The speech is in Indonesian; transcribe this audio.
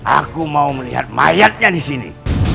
aku mau melihat mayatnya disini